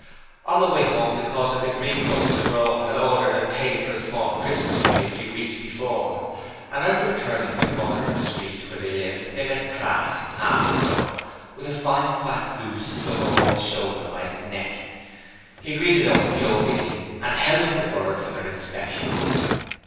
On their way home they called at a greengrocer's where Owen had ordered and paid for a small Christmas tree a few weeks before; and as they were turning the corner of the street where they lived they met Crass, half drunk, with a fine fat goose slung over his shoulder by its neck. He greeted Owen jovially and held up the bird for their inspection.